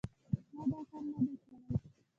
ما دا کار نه دی کړی.